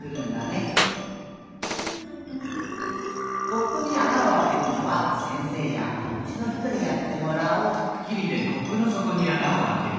コップにあなをあけるのはせんせいやおうちのひとにやってもらおう。